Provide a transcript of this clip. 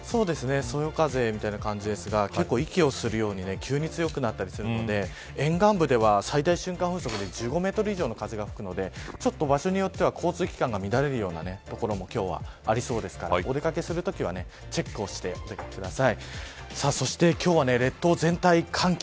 そよ風みたいな感じですが息をするように急に強くなったりするので沿岸部では、最大瞬間風速で１５メートル以上の風が吹くので場所によっては交通機関が乱れるの所も今日は予想されます、ですからお出かけするときはチェックをしてお出かけください。